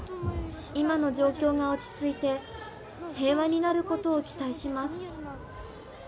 今の状況が落ち着いて、平和になることを期待します。